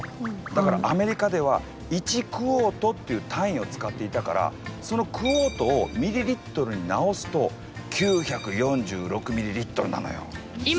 だからアメリカでは１クオートっていう単位を使っていたからそのクオートをミリリットルに直すと９４６ｍｌなのよ。